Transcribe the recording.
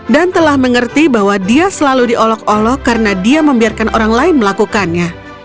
dan telah mengerti bahwa dia selalu diolok olok karena dia membiarkan orang lain melakukannya